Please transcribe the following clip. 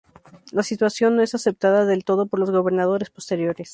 La situación no es aceptada del todo por los gobernadores posteriores.